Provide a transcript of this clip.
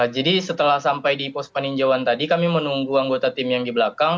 jadi setelah sampai di pos paninjauhan tadi kami menunggu anggota tim yang di belakang